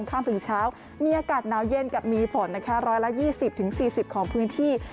ข้ามถึงเช้ามีอากาศหนาวเย็นกับมีฝนนะคะ๑๒๐๔๐ของพื้นที่